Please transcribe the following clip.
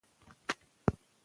د اوبو ورکول هم ثواب لري.